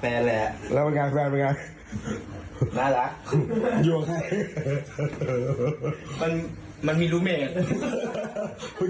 ไปหาแฟนแหละแล้วมันกันแฟนมันกันน่ารักอยู่กับใคร